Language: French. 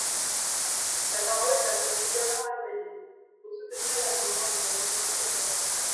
La parole est à Monsieur Bernard Accoyer, pour soutenir l’amendement numéro deux cent quatre-vingt-quatre.